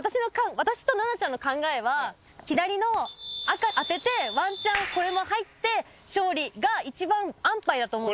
私と菜々ちゃんの考えは左の赤当ててワンチャンこれも入って勝利が一番安パイだと思うんですよ。